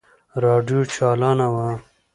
راډيو چالانه وه.